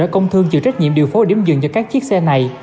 công thương chịu trách nhiệm điều phó điểm dừng cho các chiếc xe này